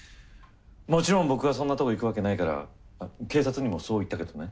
もちろん僕はそんなとこ行くわけないから警察にもそう言ったけどね。